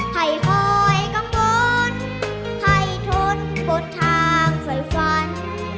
ให้คอยกังวลให้ทนปวดทางสวยฟัน